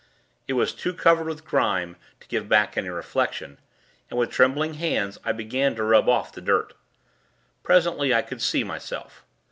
It was too covered with grime, to give back any reflection, and, with trembling hands, I began to rub off the dirt. Presently, I could see myself.